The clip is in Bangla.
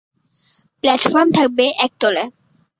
প্ল্যাটফর্ম থাকবে একতলায়।